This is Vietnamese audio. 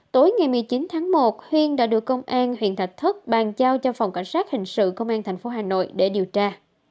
tối ngày một mươi chín tháng một huyên đã được công an huyện thạch thất bàn giao cho phòng cảnh sát hình sự công an tp hà nội để điều tra